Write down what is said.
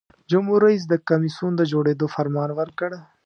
جمهور رئیس د کمیسیون د جوړیدو فرمان ورکړ.